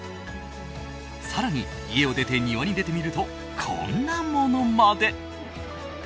更に、家を出て、庭に出てみるとこんなものまで。